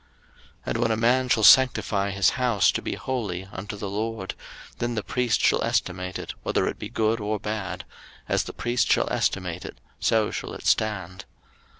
03:027:014 And when a man shall sanctify his house to be holy unto the LORD, then the priest shall estimate it, whether it be good or bad: as the priest shall estimate it, so shall it stand.